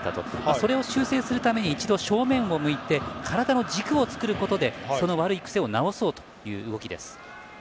それを修正するために一度正面を向いて体の軸を作るためにその悪い癖を直そうという動きです。